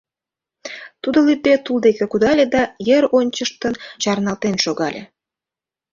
Тудо лӱдде тул деке кудале да, йыр ончыштын, чарналтен шогале.